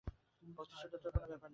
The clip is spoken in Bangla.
ভক্তি-শ্রদ্ধার তো কোনো ব্যাপার নেই।